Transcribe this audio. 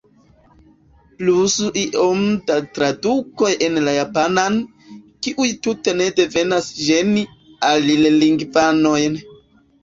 Plus iom da tradukoj en la japanan, kiuj tute ne devas ĝeni alilingvanojn.